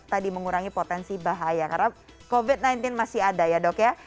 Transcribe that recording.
tadi mengurangi potensi bahaya karena covid sembilan belas masih ada ya dok ya